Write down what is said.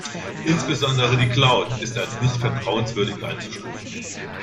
Insbesondere die Cloud ist als nicht vertrauenswürdig einzustufen.